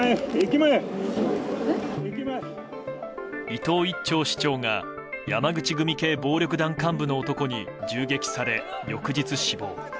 伊藤一長市長が山口組系暴力団幹部の男に銃撃され、翌日死亡。